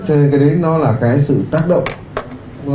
cho nên cái đấy nó là cái sự tác động